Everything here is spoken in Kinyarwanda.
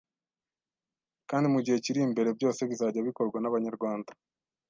kandi mu gihe kiri imbere byose bizajya bikorwa n’abanyarwanda